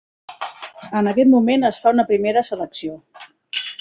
En aquest moment es fa una primera selecció.